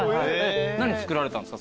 何作られたんですか？